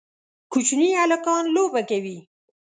کوچني هلکان لوبه کوي